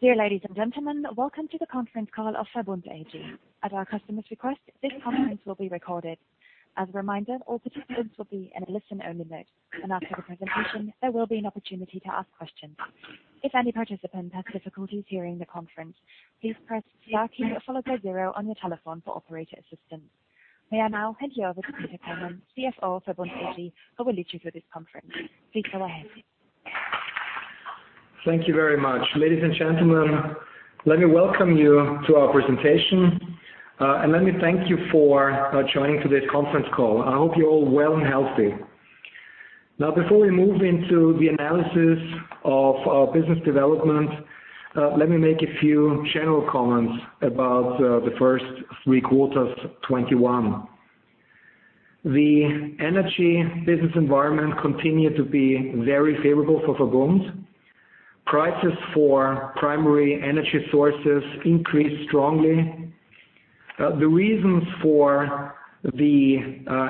Dear ladies and gentlemen, welcome to the conference call of VERBUND AG. At our customer's request, this conference will be recorded. As a reminder, all participants will be in a listen-only mode, and after the presentation there will be an opportunity to ask questions. If any participant has difficulties hearing the conference, please press star key followed by zero on your telephone for operator assistance. May I now hand you over to Peter Kollmann, CFO of VERBUND AG, who will lead you through this conference. Please go ahead. Thank you very much. Ladies and gentlemen, let me welcome you to our presentation, and let me thank you for joining today's conference call. I hope you're all well and healthy. Now, before we move into the analysis of our business development, let me make a few general comments about the first three quarters of 2021. The energy business environment continued to be very favorable forVERBUND. Prices for primary energy sources increased strongly. The reasons for the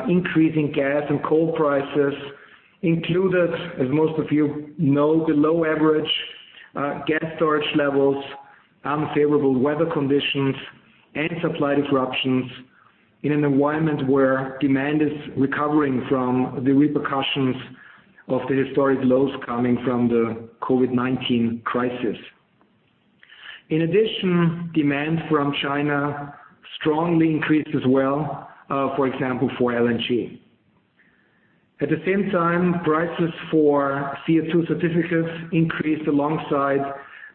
increase in gas and coal prices included, as most of you know, the low average gas storage levels, unfavorable weather conditions and supply disruptions in an environment where demand is recovering from the repercussions of the historic lows coming from the COVID-19 crisis. In addition, demand from China strongly increased as well, for example, for LNG. At the same time, prices for CO₂ certificates increased alongside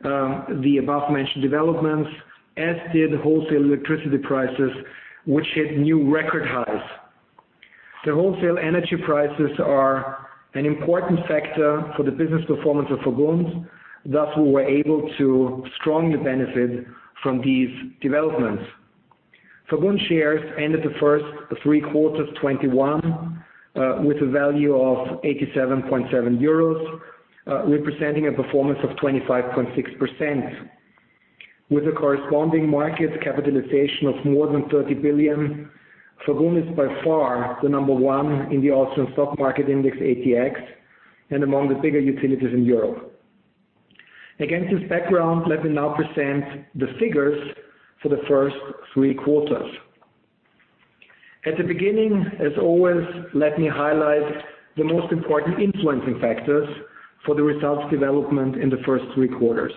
the above-mentioned developments, as did wholesale electricity prices, which hit new record highs. The wholesale energy prices are an important factor for the business performance ofVERBUND. Thus, we were able to strongly benefit from these developments. VERBUND shares ended the first three quarters 2021 with a value of 87.7 euros, representing a performance of 25.6%. With a corresponding market capitalization of more than 30 billion, VERBUNDis by far the number one in the Austrian stock market index, ATX, and among the bigger utilities in Europe. Against this background, let me now present the figures for the first three quarters. At the beginning, as always, let me highlight the most important influencing factors for the results development in the first three quarters.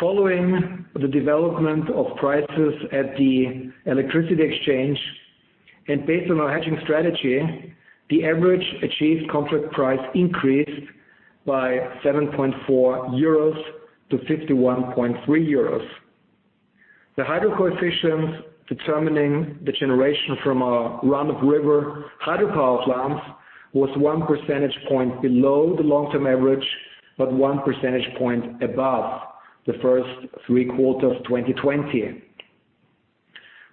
Following the development of prices at the electricity exchange and based on our hedging strategy, the average achieved contract price increased by 7.4-51.3 euros. The hydro coefficients determining the generation from our run-of-river hydropower plants was 1 percentage point below the long-term average, but 1 percentage point above the first three quarters 2020.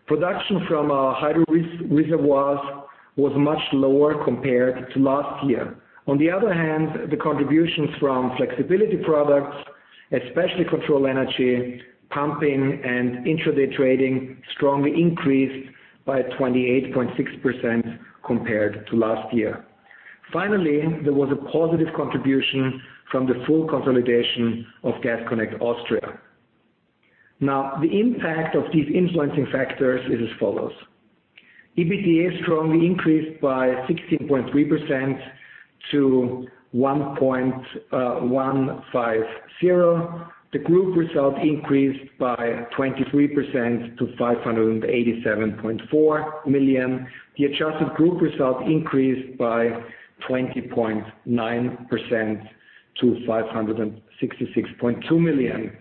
Production from our hydro reservoirs was much lower compared to last year. On the other hand, the contributions from flexibility products, especially control energy, pumping and intra-day trading, strongly increased by 28.6% compared to last year. Finally, there was a positive contribution from the full consolidation of Gas Connect Austria. Now, the impact of these influencing factors is as follows: EBITDA strongly increased by 16.3% to 150. The group result increased by 23% to 587.4 million. The adjusted group result increased by 20.9% to 566.2 million.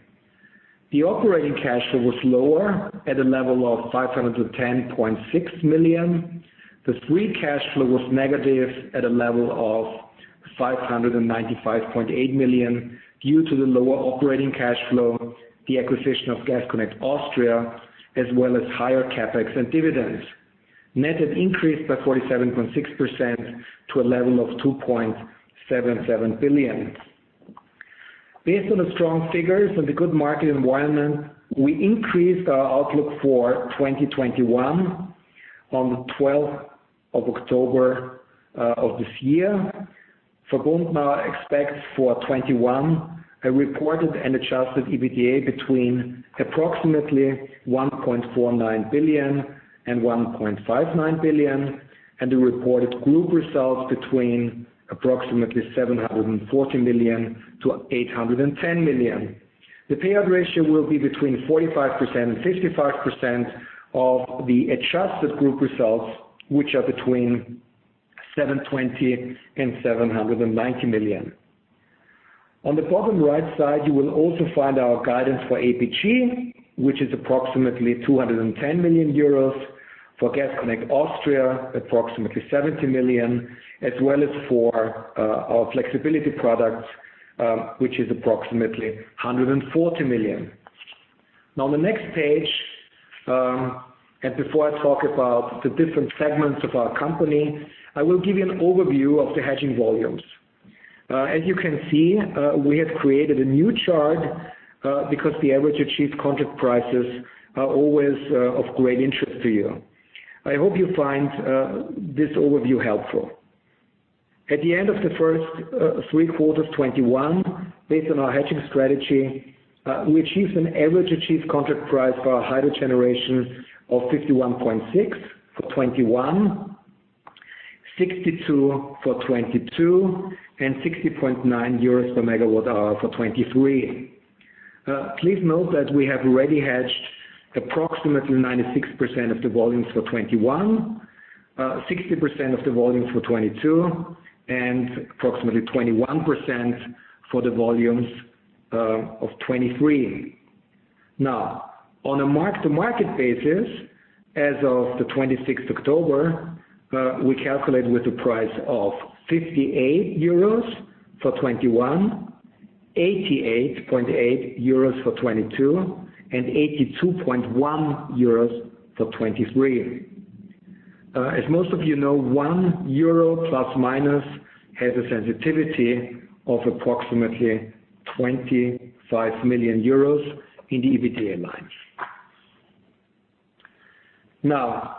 The operating cash flow was lower at a level of 510.6 million. The free cash flow was negative at a level of 595.8 million, due to the lower operating cash flow, the acquisition of Gas Connect Austria, as well as higher CapEx and dividends. Net debt had increased by 47.6% to a level of 2.77 billion. Based on the strong figures and the good market environment, we increased our outlook for 2021 on October 12 of this year. Verbund now expects for 2021 a reported and adjusted EBITDA between approximately 1.49 billion and 1.59 billion, and a reported group result between approximately 740 million-810 million. The payout ratio will be between 45% and 55% of the adjusted group results, which are between 720 million-790 million. On the bottom right side, you will also find our guidance for APG, which is approximately 210 million euros, for Gas Connect Austria, approximately 70 million, as well as for our flexibility products, which is approximately 140 million. Now, on the next page, and before I talk about the different segments of our company, I will give you an overview of the hedging volumes. As you can see, we have created a new chart, because the average achieved contract prices are always of great interest to you. I hope you find this overview helpful. At the end of the first three quarters 2021, based on our hedging strategy, we achieved an average achieved contract price for our hydro generation of 51.6 for 2021, 62 for 2022, and 60.9 EUR per MWh for 2023. Please note that we have already hedged approximately 96% of the volumes for 2021, 60% of the volumes for 2022, and approximately 21% for the volumes of 2023. Now, on a mark-to-market basis, as of the October 26th, we calculate with the price of 58 euros for 2021, 88.8 euros for 2022, and 82.1 euros for 2023. As most of you know, 1 euro ± has a sensitivity of approximately 25 million euros in the EBITDA lines. Now,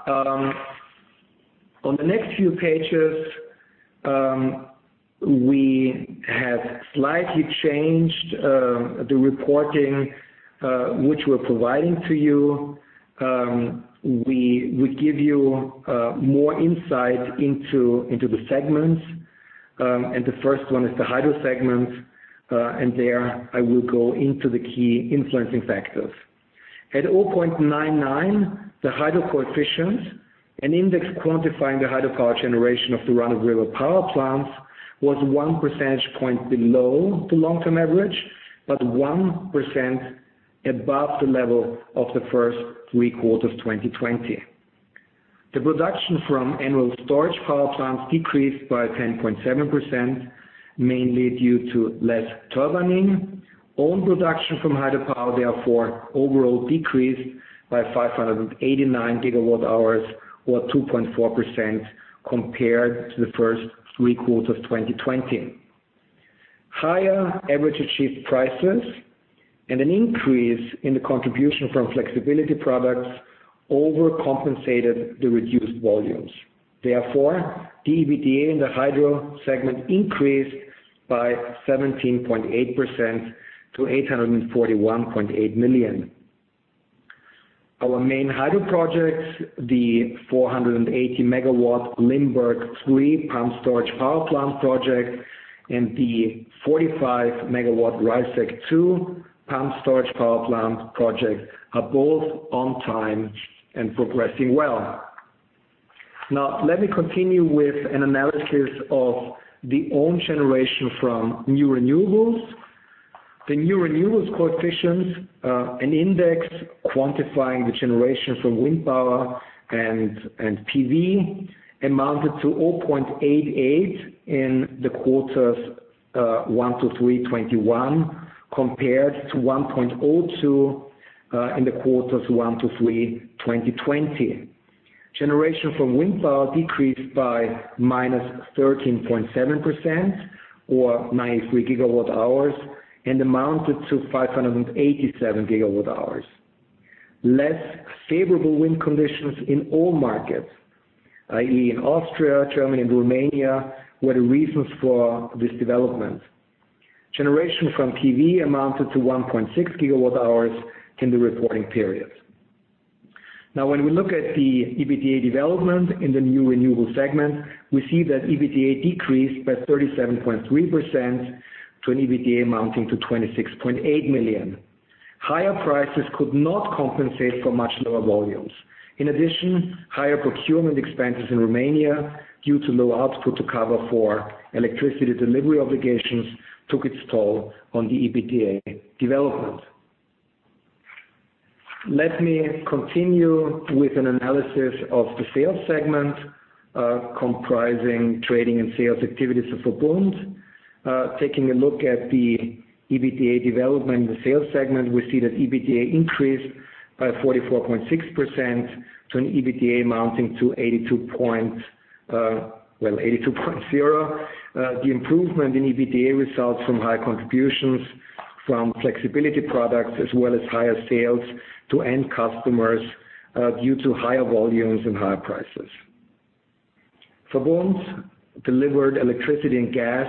on the next few pages, we have slightly changed the reporting which we're providing to you. We give you more insight into the segments. The first one is the hydro segment, and there I will go into the key influencing factors. At 0.99, the hydro coefficients, an index quantifying the hydropower generation of the run-of-river power plants, was one percentage point below the long-term average, but 1% above the level of the first three quarters of 2020. The production from annual storage power plants decreased by 10.7%, mainly due to less turbining. Own production from hydropower, therefore, overall decreased by 589 GWh or 2.4% compared to the first three quarters of 2020. Higher average achieved prices and an increase in the contribution from flexibility products overcompensated the reduced volumes. Therefore, the EBITDA in the hydro segment increased by 17.8% to 841.8 million. Our main hydro projects, the 480 MW Limberg III pumped storage power plant project and the 45 MW Reisseck II pumped storage power plant project, are both on time and progressing well. Now, let me continue with an analysis of the own generation from new renewables. The new renewables coefficients, an index quantifying the generation from wind power and PV, amounted to 0.88 in quarters one-three 2021, compared to 1.02 in quarters one-three 2020. Generation from wind power decreased by -13.7% or 93 GWh and amounted to 587 GWh. Less favorable wind conditions in all markets, i.e., in Austria, Germany, and Romania, were the reasons for this development. Generation from PV amounted to 1.6 GWh in the reporting period. Now, when we look at the EBITDA development in the new renewable segment, we see that EBITDA decreased by 37.3% to an EBITDA amounting to 26.8 million. Higher prices could not compensate for much lower volumes. In addition, higher procurement expenses in Romania due to low output to cover for electricity delivery obligations took its toll on the EBITDA development. Let me continue with an analysis of the sales segment, comprising trading and sales activities of Verbund. Taking a look at the EBITDA development in the sales segment, we see that EBITDA increased by 44.6% to an EBITDA amounting to 82.0. The improvement in EBITDA results from high contributions from flexibility products as well as higher sales to end customers, due to higher volumes and higher prices. Verbund delivered electricity and gas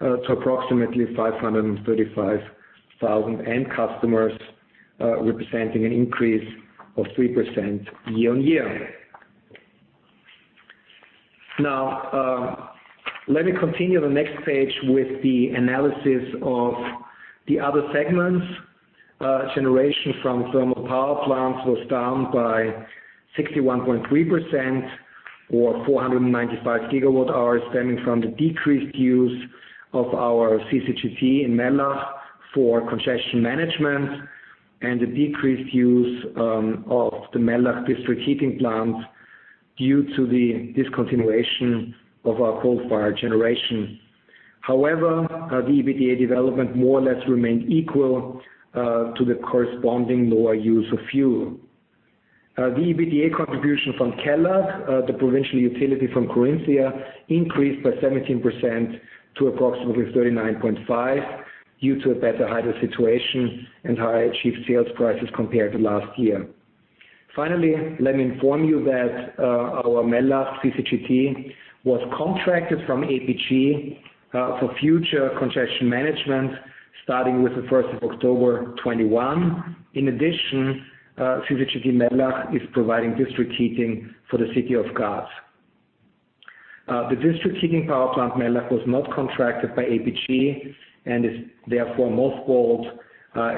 to approximately 535,000 end customers, representing an increase of 3% year-on-year. Now, let me continue the next page with the analysis of the other segments. Generation from thermal power plants was down by 61.3% or 495 GWh stemming from the decreased use of our CCGT in Mellach for congestion management and the decreased use of the Mellach district heating plant due to the discontinuation of our coal-fired generation. However, the EBITDA development more or less remained equal to the corresponding lower use of fuel. The EBITDA contribution from Kelag, the provincial utility from Carinthia, increased by 17% to approximately 39.5 million due to a better hydro situation and higher achieved sales prices compared to last year. Finally, let me inform you that our Mellach CCGT was contracted from APG for future congestion management starting with the first of October 2021. In addition, CCGT Mellach is providing district heating for the city of Graz. The district heating power plant Mellach was not contracted by APG and is therefore mothballed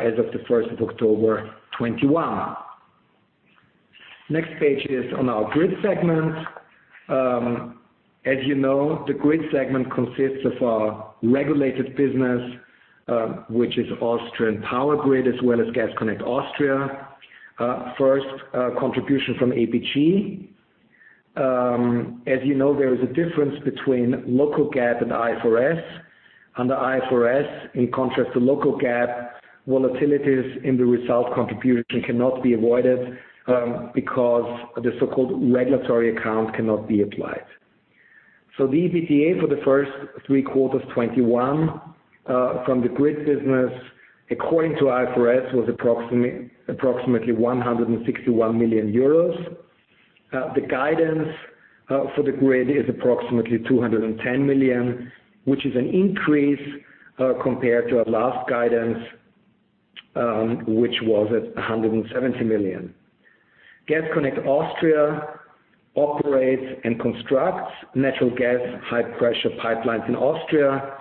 as of the first of October 2021. Next page is on our grid segment. As you know, the grid segment consists of our regulated business, which is Austrian Power Grid as well as Gas Connect Austria. First, contribution from APG. As you know, there is a difference between local GAAP and IFRS. Under IFRS, in contrast to local GAAP, volatilities in the result contribution cannot be avoided because the so-called regulatory account cannot be applied. The EBITDA for the first three quarters 2021 from the grid business, according to IFRS, was approximately 161 million euros. The guidance for the grid is approximately 210 million, which is an increase compared to our last guidance, which was at 170 million. Gas Connect Austria operates and constructs natural gas high pressure pipelines in Austria.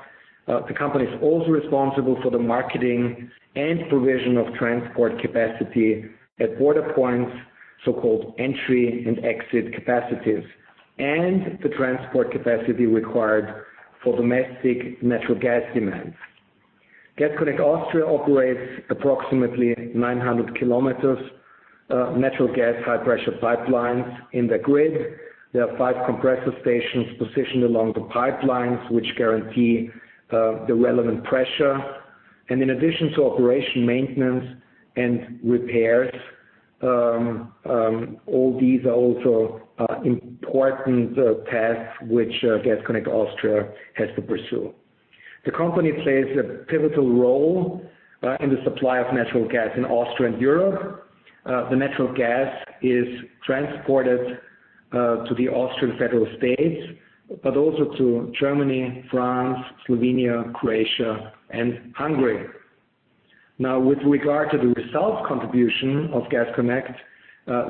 The company is also responsible for the marketing and provision of transport capacity at border points, so-called entry and exit capacities, and the transport capacity required for domestic natural gas demands. Gas Connect Austria operates approximately 900 km of natural gas high pressure pipelines in the grid. There are five compressor stations positioned along the pipelines which guarantee the relevant pressure. In addition to operation maintenance and repairs, all these are also important paths which Gas Connect Austria has to pursue. The company plays a pivotal role in the supply of natural gas in Austria and Europe. The natural gas is transported to the Austrian federal states, but also to Germany, France, Slovenia, Croatia and Hungary. Now, with regard to the results contribution of Gas Connect Austria,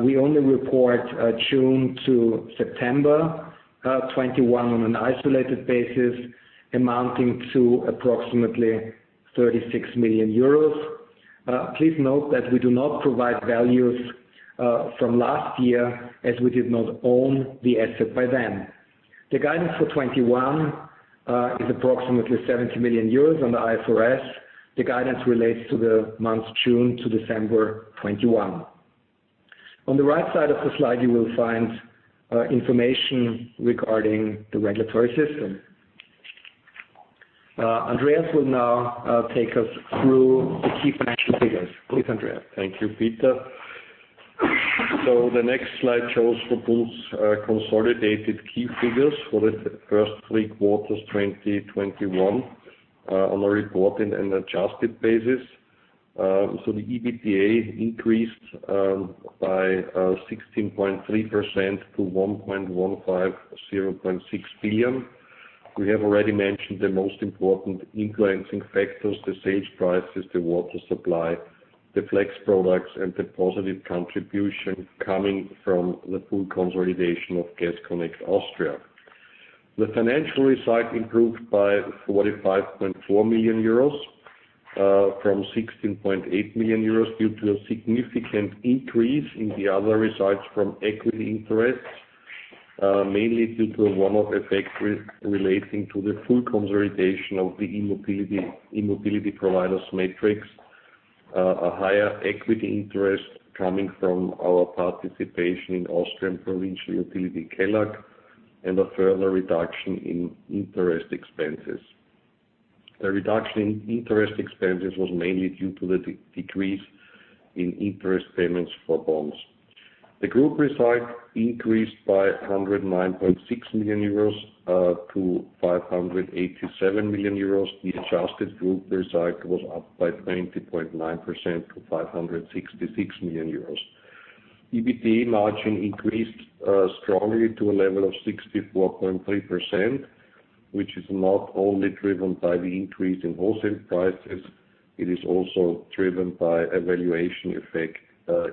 we only report June to September 2021 on an isolated basis amounting to approximately 36 million euros. Please note that we do not provide values from last year as we did not own the asset by then. The guidance for 2021 is approximately 70 million euros on the IFRS. The guidance relates to the months June to December 2021. On the right side of the slide, you will find information regarding the regulatory system. Andreas will now take us through the key financial figures. Please, Andreas. Thank you, Peter. The next slide shows VERBUND's consolidated key figures for the first three quarters 2021 on a reported and adjusted basis. The EBITDA increased by 16.3% to 1.1506 billion. We have already mentioned the most important influencing factors, the sales prices, the water supply, the flex products and the positive contribution coming from the full consolidation of Gas Connect Austria. The financial result improved by 45.4 million euros from 16.8 million euros due to a significant increase in the other results from equity interest, mainly due to a one-off effect relating to the full consolidation of the e-mobility provider's SMATRICS, a higher equity interest coming from our participation in Austrian provincial utility Kelag and a further reduction in interest expenses. The reduction in interest expenses was mainly due to the decrease in interest payments for bonds. The group result increased by 109.6 million euros - 587 million euros. The adjusted group result was up by 20.9% to 566 million euros. EBITDA margin increased strongly to a level of 64.3%, which is not only driven by the increase in wholesale prices, it is also driven by a valuation effect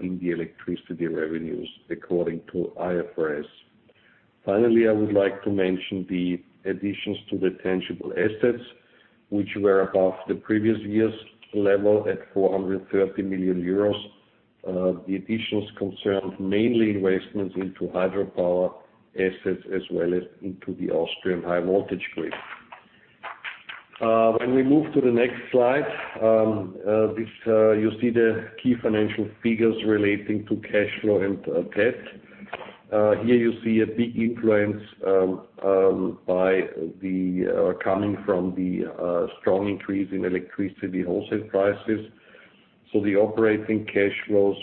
in the electricity revenues according to IFRS. Finally, I would like to mention the additions to the tangible assets, which were above the previous year's level at 430 million euros. The additions concerned mainly investments into hydropower assets as well as into the Austrian high voltage grid. When we move to the next slide, you see the key financial figures relating to cash flow and debt. Here you see a big influence coming from the strong increase in electricity wholesale prices. The operating cash flows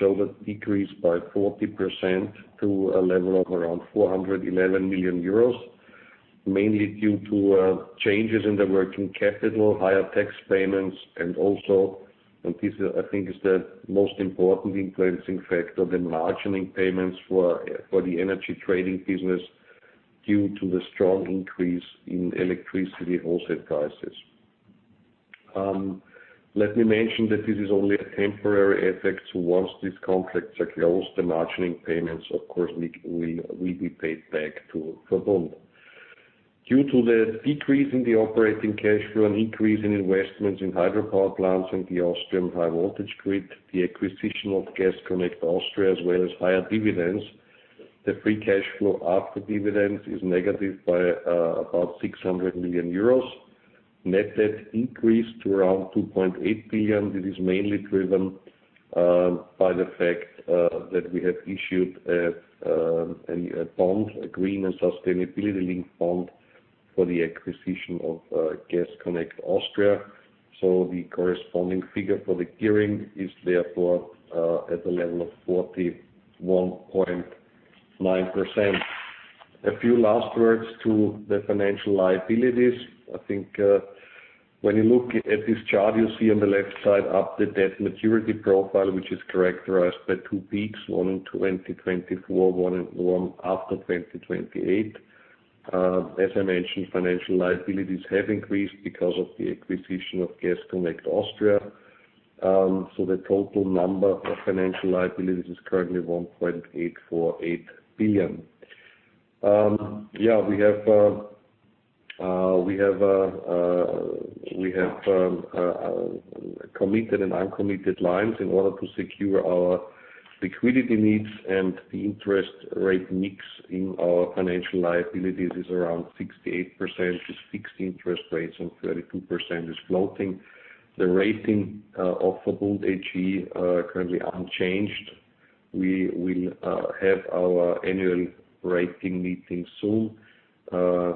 showed a decrease by 40% to a level of around 411 million euros. Mainly due to changes in the working capital, higher tax payments, and this, I think, is the most important influencing factor, the margining payments for the energy trading business due to the strong increase in electricity wholesale prices. Let me mention that this is only a temporary effect. Once these contracts are closed, the margining payments, of course will be paid back to Verbund. Due to the decrease in the operating cash flow and increase in investments in hydropower plants and the Austrian high voltage grid, the acquisition of Gas Connect Austria, as well as higher dividends, the free cash flow after dividends is negative by about 600 million euros. Net debt increased to around 2.8 billion. It is mainly driven by the fact that we have issued a bond, a green and sustainability-linked bond for the acquisition of Gas Connect Austria. The corresponding figure for the gearing is therefore at the level of 41.9%. A few last words to the financial liabilities. I think when you look at this chart, you see on the left side the debt maturity profile, which is characterized by two peaks, one in 2024, one in 2030. As I mentioned, financial liabilities have increased because of the acquisition of Gas Connect Austria. The total number of financial liabilities is currently 1.848 billion. We have committed and uncommitted lines in order to secure our liquidity needs and the interest rate mix in our financial liabilities is around 68% fixed interest rates and 32% floating. The rating of VERBUND AG are currently unchanged. We will have our annual rating meeting soon.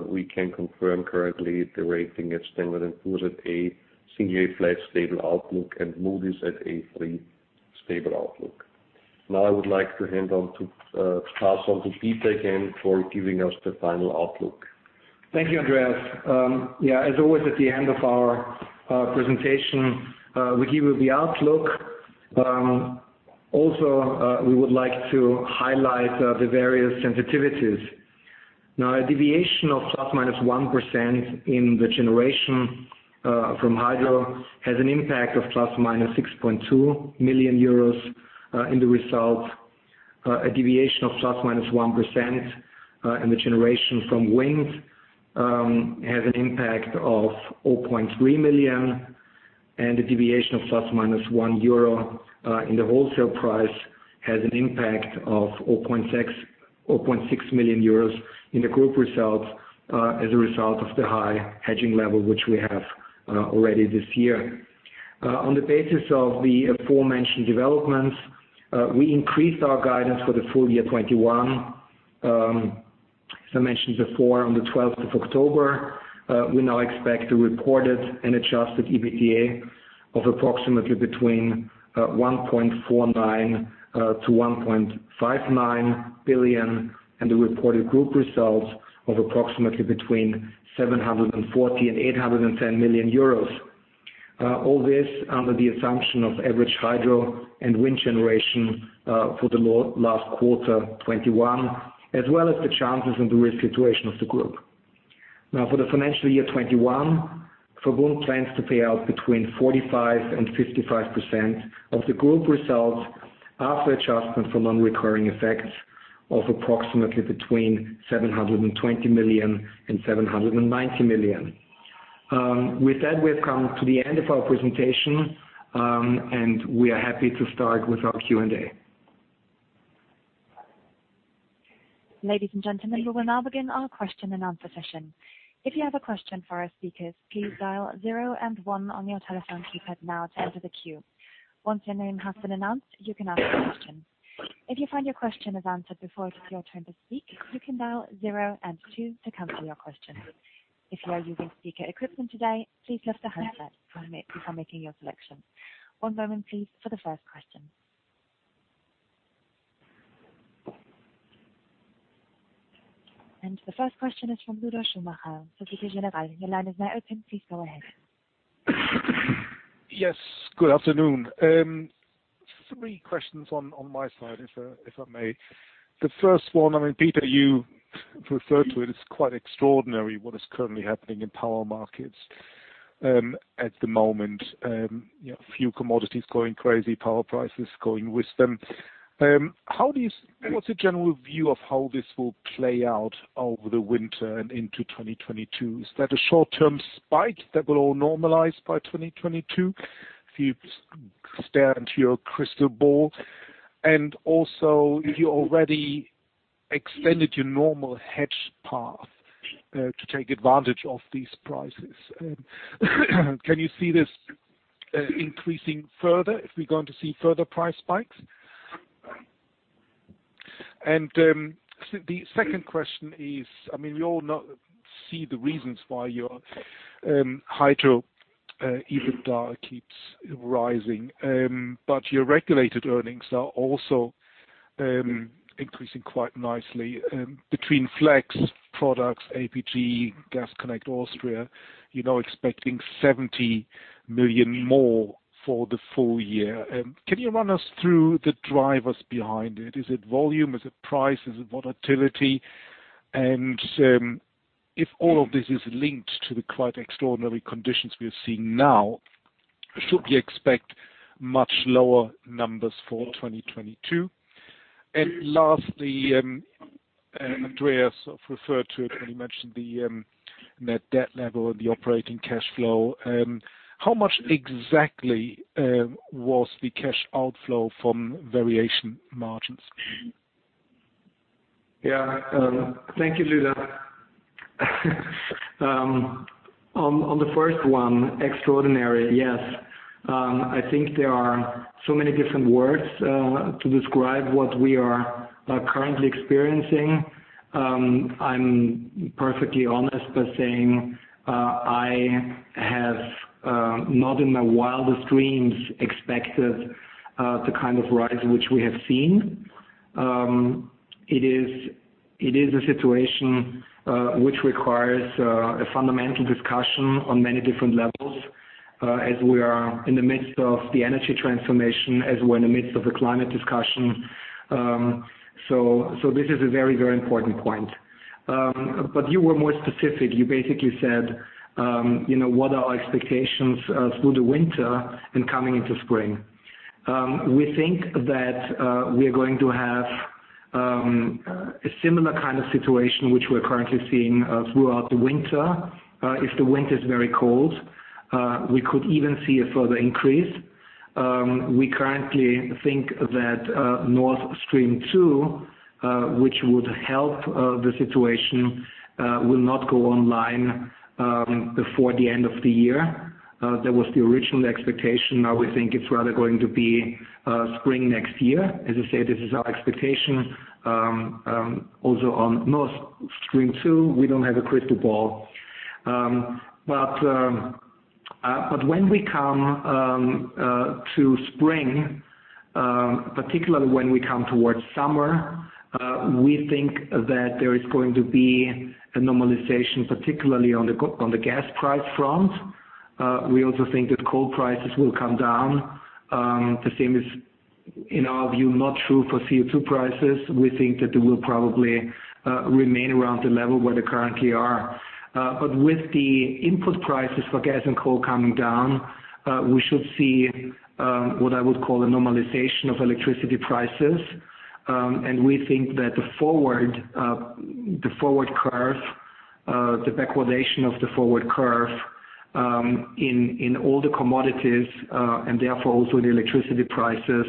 We can confirm currently the rating at Standard & Poor's at A- stable outlook, and Moody's at A3 stable outlook. Now I would like to pass on to Peter again for giving us the final outlook. Thank you, Andreas. As always, at the end of our presentation, we give you the outlook. We would like to highlight the various sensitivities. Now, a deviation of ±1% in the generation from hydro has an impact of ±6.2 million euros in the result. A deviation of ±1% in the generation from wind has an impact of 0.3 million, and a deviation of ±1 euro in the wholesale price has an impact of 6.6 million euros in the group results as a result of the high hedging level, which we have already this year. On the basis of the aforementioned developments, we increased our guidance for the full-year 2021. As I mentioned before, on the 12th of October, we now expect to report an adjusted EBITDA of approximately 1.49 billion-1.59 billion, and the reported group results of approximately between 740 million and 810 million euros. All this under the assumption of average hydro and wind generation for the last quarter 2021, as well as the chances and the risk situation of the group. For the financial year 2021, Verbund plans to pay out between 45% and 55% of the group results after adjustment for non-recurring effects of approximately between 720 million and 790 million. With that, we have come to the end of our presentation, and we are happy to start with our Q&A. Ladies and gentlemen, we will now begin our question and answer session. If you have a question for our speakers, please dial zero and one on your telephone keypad now to enter the queue. Once your name has been announced, you can ask your question. If you find your question is answered before it is your turn to speak, you can dial zero and two to cancel your question. If you are using speaker equipment today, please lift the handset before making your selection. One moment, please, for the first question. The first question is from Wanda Serwinowska. Your line is now open. Please go ahead. Yes, good afternoon. Three questions on my side, if I may. The first one, I mean, Peter, you referred to it's quite extraordinary what is currently happening in power markets at the moment. You know, a few commodities going crazy, power prices going with them. How do you what's the general view of how this will play out over the winter and into 2022? Is that a short-term spike that will all normalize by 2022? If you stare into your crystal ball. You already extended your normal hedge path to take advantage of these prices. Can you see this increasing further? If we're going to see further price spikes? The second question is, I mean, we all know the reasons why your hydro EBITDA keeps rising. Your regulated earnings are also increasing quite nicely between flex products, APG, Gas Connect Austria, you know, expecting 70 million more for the full-year. Can you run us through the drivers behind it? Is it volume? Is it price? Is it volatility? If all of this is linked to the quite extraordinary conditions we are seeing now, should we expect much lower numbers for 2022? Lastly, Andreas referred to it when you mentioned the net debt level and the operating cash flow. How much exactly was the cash outflow from variation margins? Yeah. Thank you, Wanda. On the first one, extraordinary. Yes. I think there are so many different words to describe what we are currently experiencing. I'm perfectly honest by saying, I have not in my wildest dreams expected the kind of rise which we have seen. It is a situation which requires a fundamental discussion on many different levels, as we are in the midst of the energy transformation, as we're in the midst of a climate discussion. This is a very, very important point. You were more specific. You basically said, you know, what are our expectations through the winter and coming into spring? We think that we are going to have a similar kind of situation which we're currently seeing throughout the winter. If the winter is very cold, we could even see a further increase. We currently think that Nord Stream 2, which would help the situation, will not go online before the end of the year. That was the original expectation. Now we think it's rather going to be spring next year. As I say, this is our expectation. Also on Nord Stream 2, we don't have a crystal ball. When we come to spring, particularly when we come towards summer, we think that there is going to be a normalization, particularly on the gas price front. We also think that coal prices will come down. The same is, in our view, not true for CO₂ prices. We think that they will probably remain around the level where they currently are. With the input prices for gas and coal coming down, we should see what I would call a normalization of electricity prices. We think that the forward curve, the backwardation of the forward curve, in all the commodities and therefore also the electricity prices,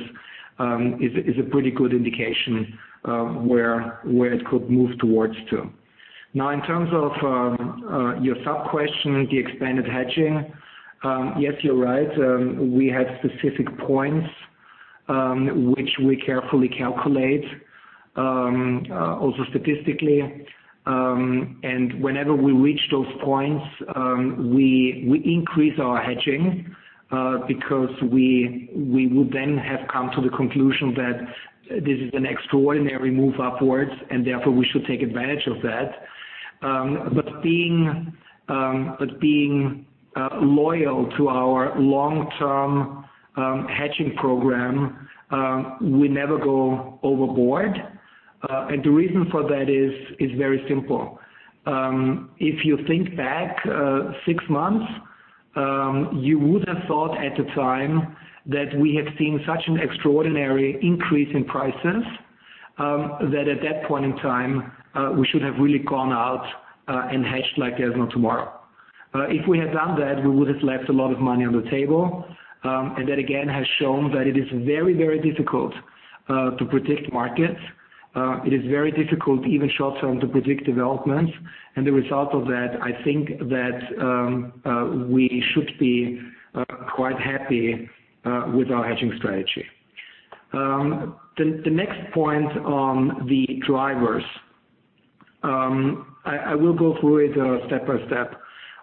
is a pretty good indication of where it could move towards to. Now in terms of your sub-question, the expanded hedging, yes, you're right. We have specific points which we carefully calculate also statistically. Whenever we reach those points, we increase our hedging, because we would then have come to the conclusion that this is an extraordinary move upwards and therefore we should take advantage of that. Being loyal to our long-term hedging program, we never go overboard. The reason for that is very simple. If you think back six months, you would have thought at the time that we have seen such an extraordinary increase in prices, that at that point in time, we should have really gone out and hedged like there's no tomorrow. If we had done that, we would have left a lot of money on the table. That again has shown that it is very, very difficult to predict markets. It is very difficult even short-term to predict developments. The result of that, I think that we should be quite happy with our hedging strategy. The next point on the drivers, I will go through it step by step.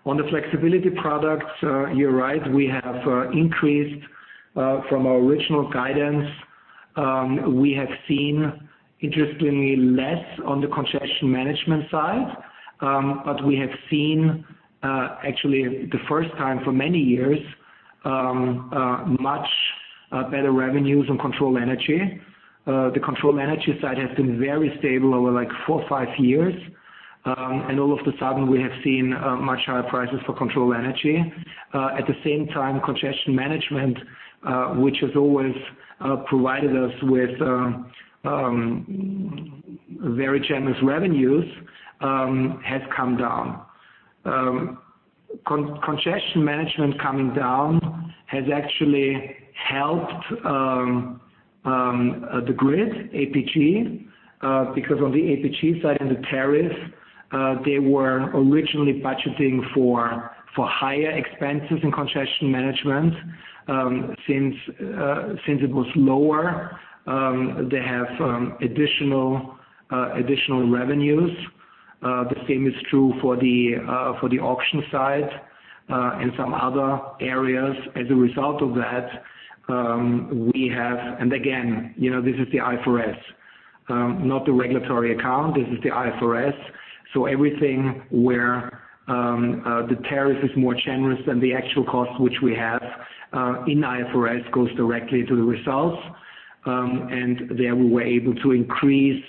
On the flexibility products, you're right, we have increased from our original guidance. We have seen interestingly less on the congestion management side. We have seen actually the first time for many years, much better revenues on control energy. The control energy side has been very stable over like four or five years. All of a sudden we have seen much higher prices for control energy. At the same time, congestion management, which has always provided us with very generous revenues, has come down. Congestion management coming down has actually helped the grid APG, because on the APG side and the tariff, they were originally budgeting for higher expenses in congestion management. Since it was lower, they have additional revenues. The same is true for the auction side and some other areas. As a result of that, we have, and again, you know, this is the IFRS, not the regulatory account, this is the IFRS. So everything where the tariff is more generous than the actual cost which we have in IFRS goes directly to the results. There we were able to increase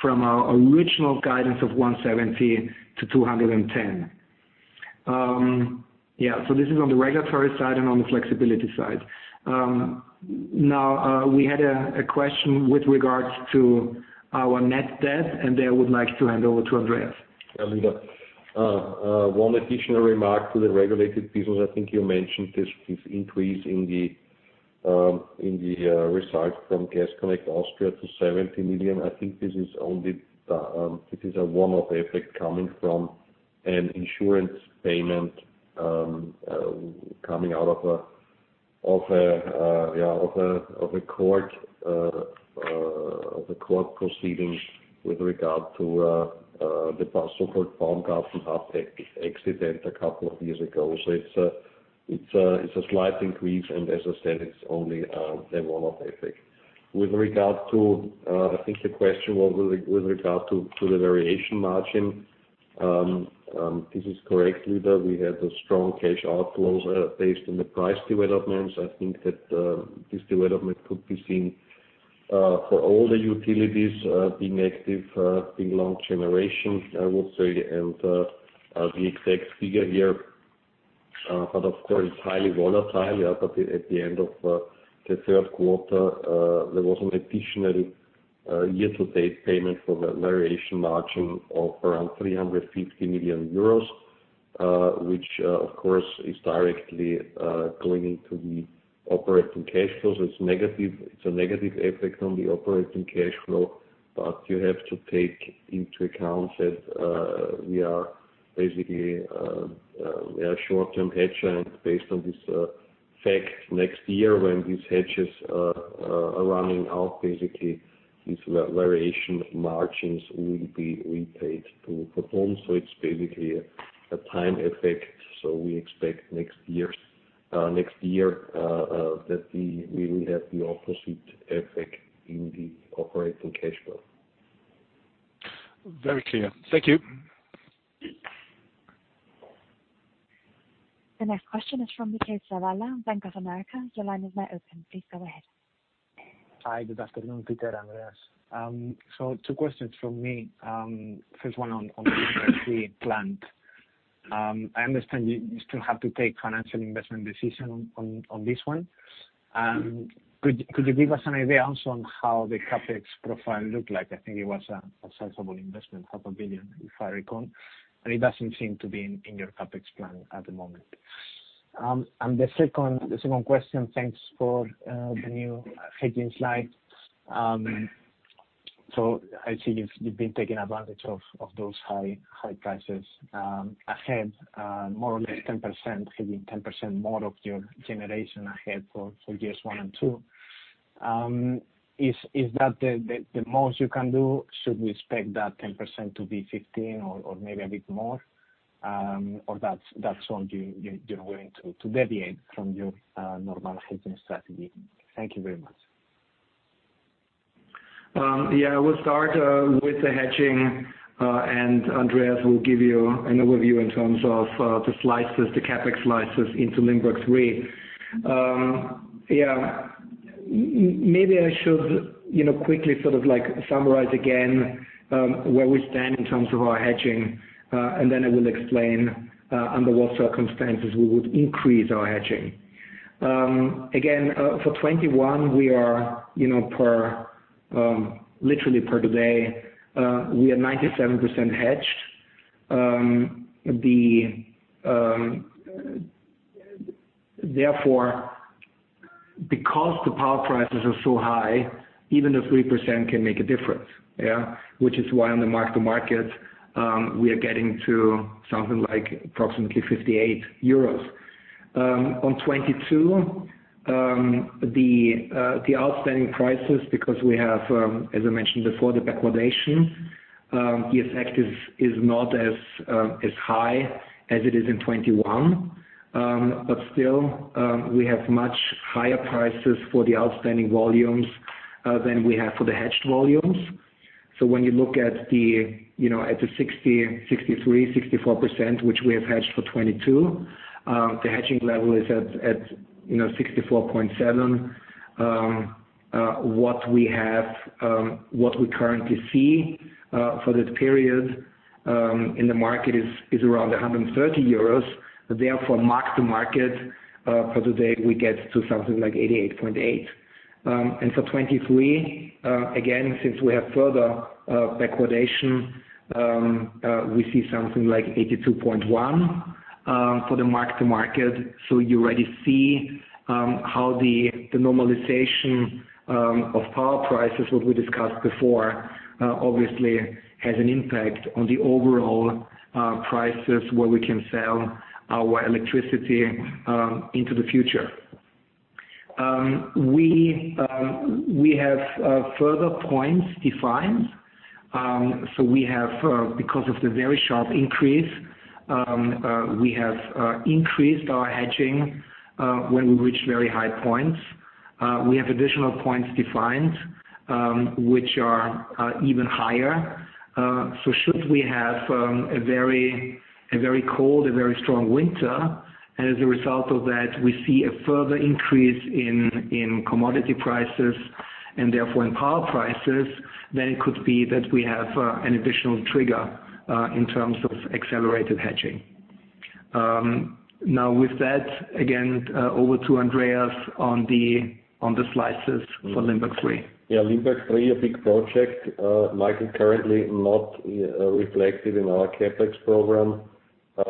from our original guidance of 170-210. Yeah. This is on the regulatory side and on the flexibility side. Now, we had a question with regards to our net debt, and there I would like to hand over to Andreas. Yeah, Wanda. One additional remark to the regulated business. I think you mentioned this increase in the results from Gas Connect Austria to 70 million. I think this is only, it is a one-off effect coming from an insurance payment coming out of a court proceeding with regard to the so-called Baumgarten accident a couple of years ago. It's a slight increase, and as I said, it's only a one-off effect. With regard to, I think the question was with regard to the variation margin. This is correct, Wanda. We had strong cash outflows based on the price developments. I think that this development could be seen for all the utilities being active in long generation, I would say, the exact figure here but of course highly volatile. Yeah, but at the end of the third quarter there was an additional year-to-date payment for the variation margin of around 350 million euros, which of course is directly going into the operating cash flows. It's negative, it's a negative effect on the operating cash flow, but you have to take into account that we are basically short-term hedger based on this fact. Next year when these hedges are running out, basically, these variation margins will be repaid to VERBUND. It's basically a time effect. We expect next year that we will have the opposite effect in the operating cash flow. Very clear. Thank you. The next question is from Miguel Zavala, Bank of America. Your line is now open. Please go ahead. Hi. Good afternoon, Peter, Andreas. So two questions from me. First one on the plant. I understand you still have to take financial investment decision on this one. Could you give us an idea also on how the CapEx profile look like? I think it was a sizable investment, EUR half a billion, if I recall, and it doesn't seem to be in your CapEx plan at the moment. And the second question, thanks for the new hedging slide. So I see you've been taking advantage of those high prices ahead more or less 10%, hedging 10% more of your generation ahead for years one and two. Is that the most you can do? Should we expect that 10% to be 15 or maybe a bit more, or that's all you're willing to deviate from your normal hedging strategy? Thank you very much. Yeah, we'll start with the hedging, and Andreas will give you an overview in terms of the slices, the CapEx slices into Limberg III. Yeah, maybe I should, you know, quickly sort of like summarize again, where we stand in terms of our hedging, and then I will explain under what circumstances we would increase our hedging. Again, for 2021 we are, you know, per literally per today, we are 97% hedged. Therefore, because the power prices are so high, even the 3% can make a difference, yeah. Which is why on the mark-to-market, we are getting to something like approximately 58 euros. On 2022, the outstanding prices, because we have, as I mentioned before, the backwardation, the effect is not as high as it is in 2021. Still, we have much higher prices for the outstanding volumes than we have for the hedged volumes. When you look at the, you know, 63%-64%, which we have hedged for 2022, the hedging level is at, you know, 64.7. What we currently see for this period in the market is around 130 euros. Therefore, mark-to-market for today, we get to something like 88.8. For 2023, again, since we have further backwardation, we see something like 82.1 for the mark-to-market. You already see how the normalization of power prices, what we discussed before, obviously has an impact on the overall prices where we can sell our electricity into the future. We have further points defined. We have, because of the very sharp increase, increased our hedging when we reach very high points. We have additional points defined, which are even higher. Should we have a very cold, a very strong winter, and as a result of that, we see a further increase in commodity prices and therefore in power prices, then it could be that we have an additional trigger in terms of accelerated hedging. Now with that, again, over to Andreas on the slides for Limberg III. Limberg III, a big project, Miguel, currently not reflected in our CapEx program. I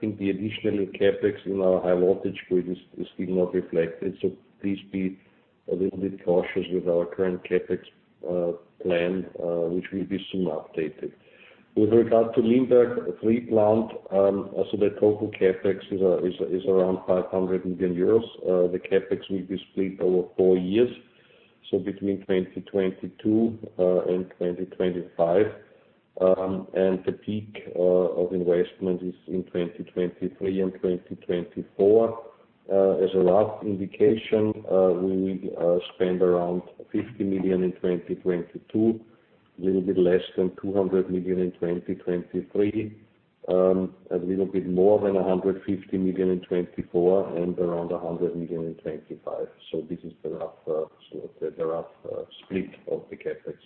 think the additional CapEx in our high voltage grid is still not reflected. Please be a little bit cautious with our current CapEx plan, which will be soon updated. With regard to Limberg III plant, also the total CapEx is around 500 million euros. The CapEx will be split over four years, so between 2022 and 2025. And the peak of investment is in 2023 and 2024. As a last indication, we spend around 50 million in 2022, a little bit less than 200 million in 2023, a little bit more than 150 million in 2024 and around 100 million in 2025. So this is the rough split of the CapEx.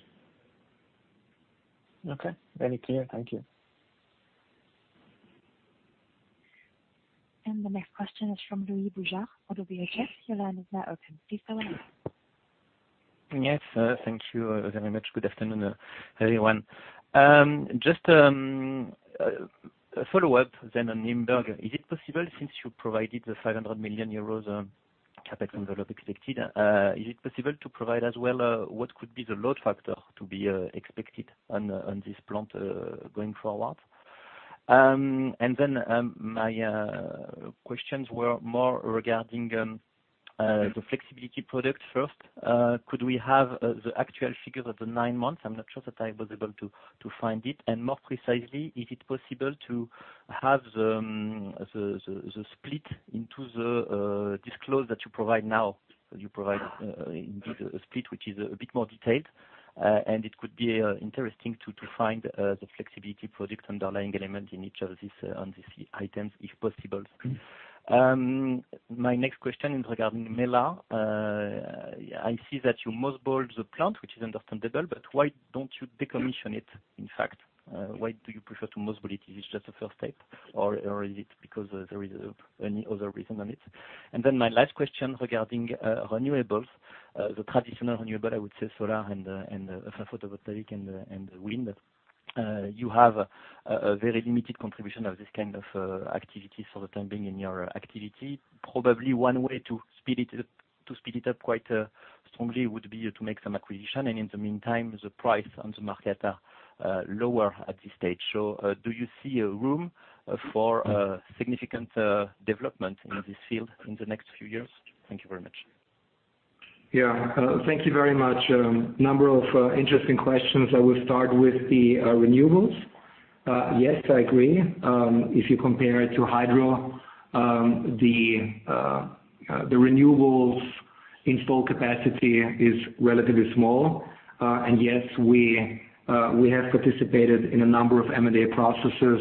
Okay. Very clear. Thank you. The next question is from Thibault Dujardin of Bernstein. Your line is now open. Please go ahead. Yes, thank you very much. Good afternoon, everyone. Just a follow-up then on Limberg. Is it possible, since you provided the 500 million euros CapEx envelope expected, is it possible to provide as well what could be the load factor to be expected on this plant going forward? Then, my questions were more regarding the flexibility product first. Could we have the actual figure of the nine months? I'm not sure that I was able to find it. More precisely, is it possible to have the split into the disclosure that you provide now? You provide indeed a split which is a bit more detailed. It could be interesting to find the flexibility product underlying element in each of these, on these items, if possible. My next question is regarding Mellach. I see that you mothballed the plant, which is understandable, but why don't you decommission it, in fact? Why do you prefer to mothball it? Is this just a first step, or is it because there is any other reason on it? My last question regarding renewables, the traditional renewable, I would say solar and photovoltaic and wind. You have a very limited contribution of this kind of activity for the time being in your activity. Probably one way to speed it up quite strongly would be to make some acquisition. In the meantime, the price on the market are lower at this stage. Do you see a room for significant development in this field in the next few years? Thank you very much. Yeah. Thank you very much. A number of interesting questions. I will start with the renewables. Yeah, I agree. If you compare it to hydro, the renewables installed capacity is relatively small. Yes, we have participated in a number of M&A processes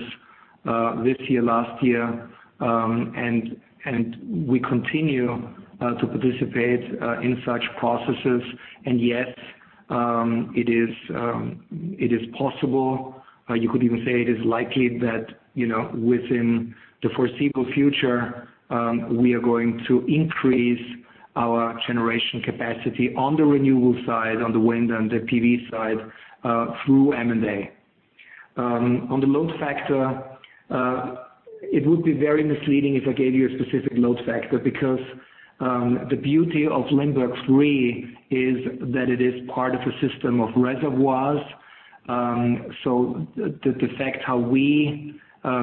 this year, last year. We continue to participate in such processes. Yes, it is possible. You could even say it is likely that, you know, within the foreseeable future, we are going to increase our generation capacity on the renewable side, on the wind and the PV side, through M&A. On the load factor, it would be very misleading if I gave you a specific load factor because the beauty of Limberg III is that it is part of a system of reservoirs.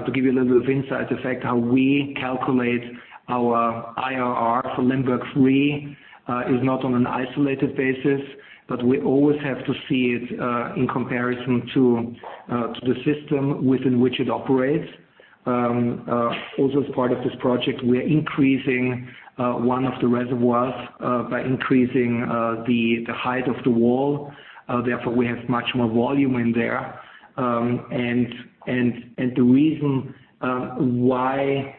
To give you a little bit of insight, the fact how we calculate our IRR for Limberg III is not on an isolated basis, but we always have to see it in comparison to the system within which it operates. Also as part of this project, we are increasing one of the reservoirs by increasing the height of the wall, therefore we have much more volume in there. The reason why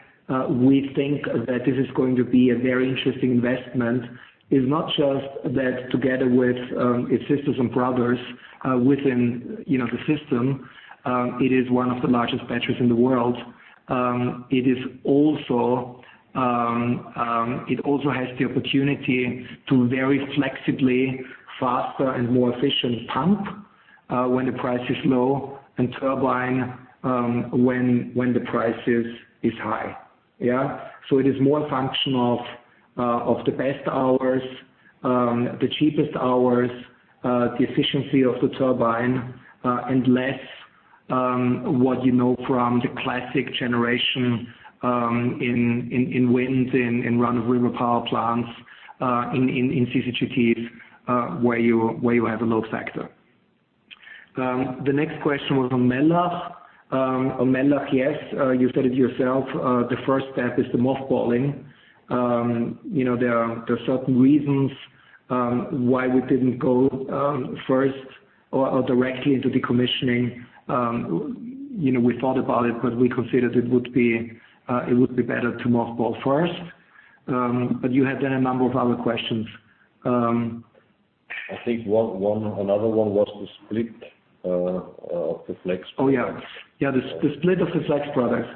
we think that this is going to be a very interesting investment is not just that together with its sisters and brothers within you know the system it is one of the largest batteries in the world. It is also it also has the opportunity to very flexibly faster and more efficient pump when the price is low and turbine when the price is high. Yeah. It is more a function of the best hours the cheapest hours the efficiency of the turbine and less what you know from the classic generation in wind in run-of-river power plants in CCGTs where you have a load factor. The next question was on Mellach. On Mellach, yes, you said it yourself. The first step is the mothballing. You know, there are certain reasons why we didn't go first or directly into decommissioning. You know, we thought about it, but we considered it would be better to mothball first. But you had then a number of other questions. I think one. Another one was the split of the flex products. The split of the flex products.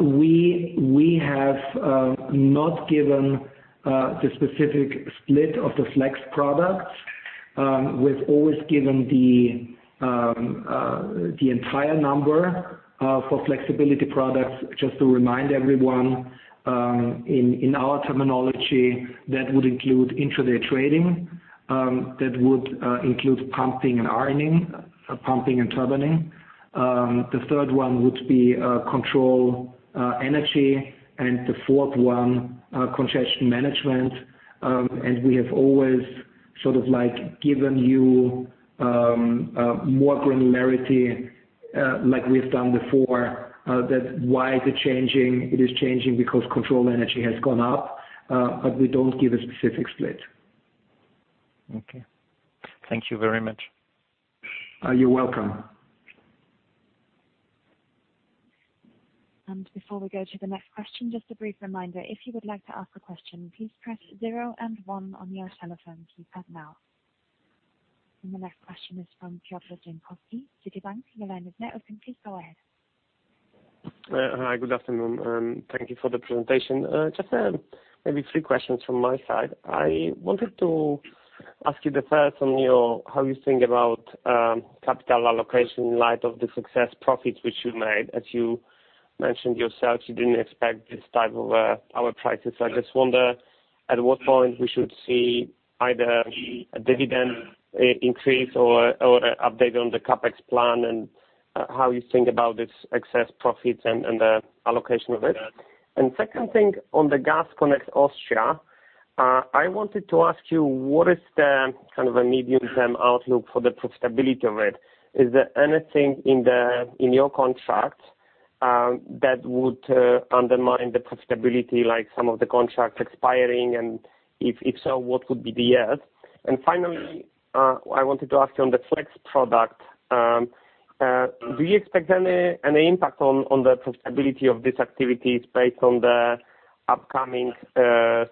We have not given the specific split of the flex products. We've always given the entire number for flexibility products. Just to remind everyone, in our terminology, that would include intraday trading, that would include pumping and turbining. The third one would be control energy, and the fourth one, congestion management. We have always sort of like given you more granularity, like we've done before, that why the changing. It is changing because control energy has gone up, but we don't give a specific split. Okay. Thank you very much. You're welcome. Before we go to the next question, just a brief reminder, if you would like to ask a question, please press zero and one on your telephone keypad now. The next question is from Piotr Dzieciolowski, Citi, Milan. You may open, please go ahead. Hi, good afternoon, and thank you for the presentation. Just, maybe three questions from my side. I wanted to ask you the first on your, how you think about, capital allocation in light of the super profits which you made. As you mentioned yourself, you didn't expect this type of, power prices. I just wonder at what point we should see either a dividend increase or an update on the CapEx plan and, how you think about this excess profits and, the allocation of it. Second thing on the Gas Connect Austria, I wanted to ask you what is the kind of a medium-term outlook for the profitability of it? Is there anything in your contract, that would, undermine the profitability like some of the contracts expiring? And if so, what would be the years? Finally, I wanted to ask you on the flex product, do you expect any impact on the profitability of these activities based on the upcoming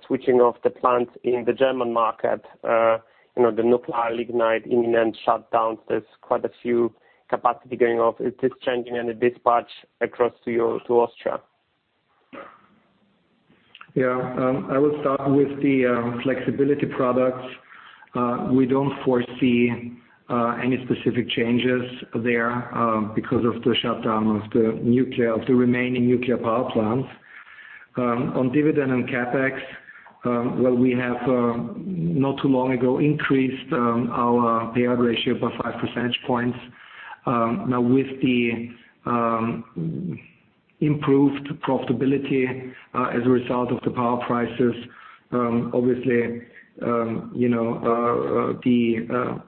switching off the plant in the German market? You know, the nuclear lignite imminent shutdowns, there's quite a few capacity going off. Is this changing any dispatch across to Austria? I will start with the flexibility products. We don't foresee any specific changes there because of the shutdown of the remaining nuclear power plants. On dividend and CapEx, well, we have not too long ago increased our payout ratio by 5 percentage points. Now with the improved profitability as a result of the power prices, obviously, you know, the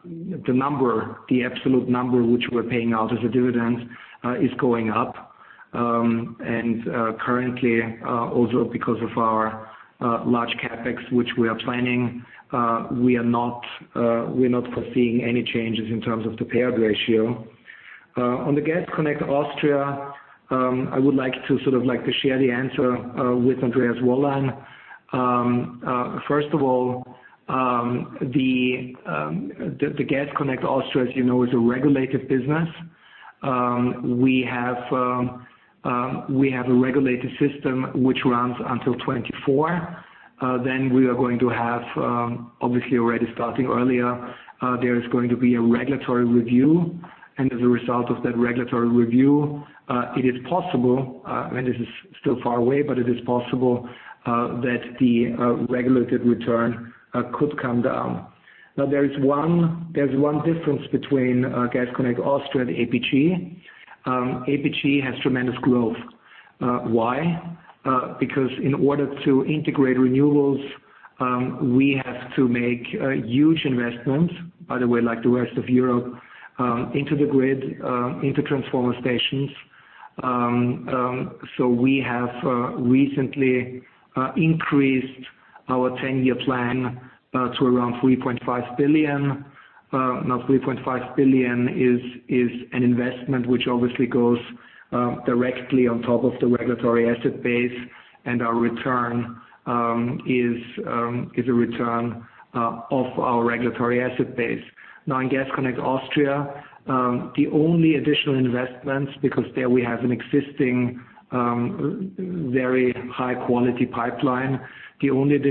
absolute number, which we're paying out as a dividend, is going up. Currently, also because of our large CapEx which we are planning, we're not foreseeing any changes in terms of the payout ratio. On the Gas Connect Austria, I would like to sort of like to share the answer with Andreas Wollein. First of all, the Gas Connect Austria, as you know, is a regulated business. We have a regulated system which runs until 2024. We are going to have, obviously already starting earlier, there is going to be a regulatory review. As a result of that regulatory review, it is possible, and this is still far away, but it is possible, that the regulated return could come down. Now, there is one difference between Gas Connect Austria and APG. APG has tremendous growth. Why? Because in order to integrate renewables, we have to make huge investments, by the way, like the rest of Europe, into the grid, into transformer stations. We have recently increased our 10-year plan to around 3.5 billion. 3.5 billion is an investment which obviously goes directly on top of the regulatory asset base, and our return is a return of our regulatory asset base. Now in Gas Connect Austria, the only additional investments would be into hydrogen, because there we have an existing very high-quality pipeline. This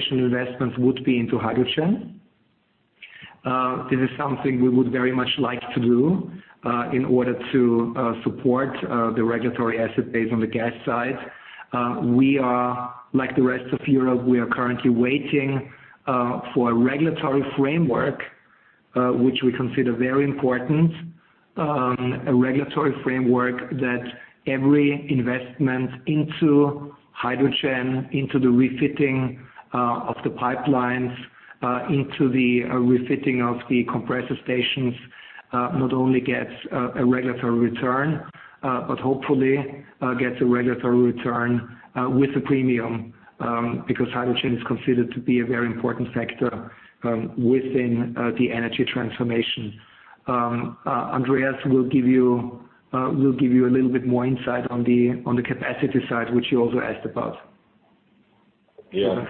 is something we would very much like to do in order to support the regulatory asset base on the gas side. We are, like the rest of Europe, currently waiting for a regulatory framework, which we consider very important, that every investment into hydrogen, into the refitting of the pipelines, into the refitting of the compressor stations, not only gets a regulatory return, but hopefully gets a regulatory return with a premium, because hydrogen is considered to be a very important factor within the energy transformation. Andreas will give you a little bit more insight on the capacity side, which you also asked about. Yeah.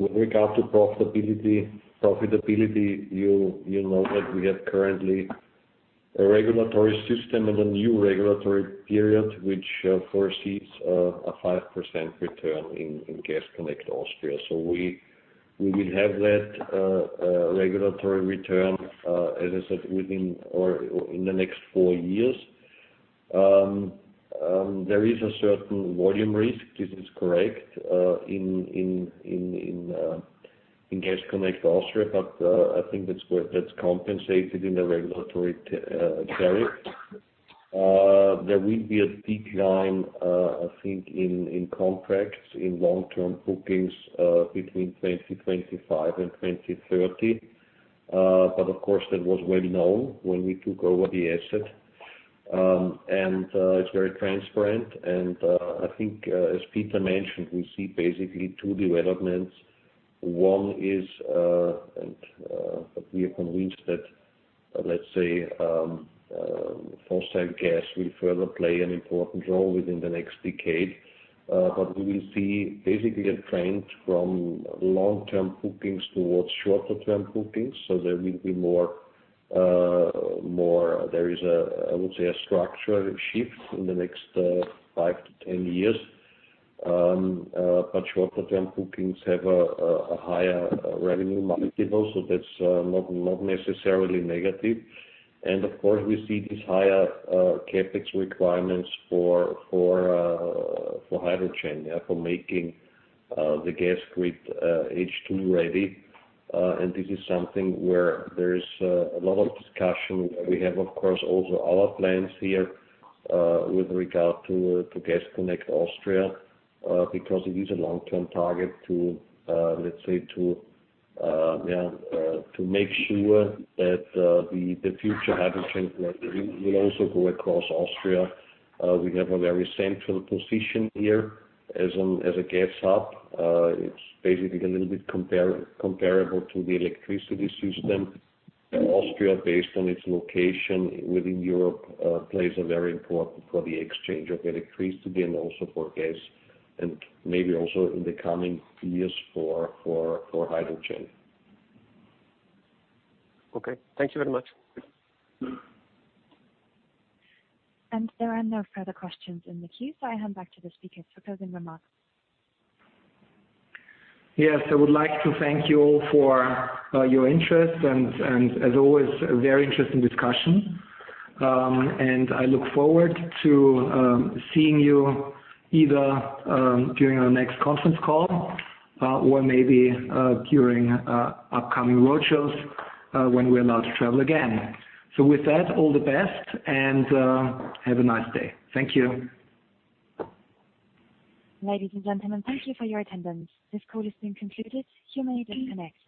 With regard to profitability, you know that we have currently a regulatory system and a new regulatory period which foresees a 5% return in Gas Connect Austria. We will have that regulatory return, as I said, within or in the next four years. There is a certain volume risk. This is correct in Gas Connect Austria, but I think that's where that's compensated in the regulatory tariff. There will be a decline, I think in contracts, in long-term bookings, between 2025 and 2030. But of course, that was well known when we took over the asset. And it's very transparent, and I think, as Peter mentioned, we see basically two developments. One is, we are convinced that, let's say, fossil gas will further play an important role within the next decade. We will see basically a trend from long-term bookings towards shorter-term bookings. There will be more. I would say, a structural shift in the next five-10 years. Shorter term bookings have a higher revenue multiple, so that's not necessarily negative. Of course, we see these higher CapEx requirements for hydrogen, yeah, for making the gas grid H2 ready. This is something where there is a lot of discussion. We have, of course, also our plans here with regard to Gas Connect Austria because it is a long-term target to let's say make sure that the future hydrogen network will also go across Austria. We have a very central position here as a gas hub. It's basically a little bit comparable to the electricity system. Austria, based on its location within Europe, plays a very important role for the exchange of electricity and also for gas and maybe also in the coming years for hydrogen. Okay, thank you very much. There are no further questions in the queue, so I hand back to the speakers for closing remarks. Yes, I would like to thank you all for your interest and a very interesting discussion. I look forward to seeing you either during our next conference call, or maybe during upcoming road shows, when we're allowed to travel again. With that, all the best and have a nice day. Thank you. Ladies and gentlemen, thank you for your attendance. This call has been concluded. You may disconnect.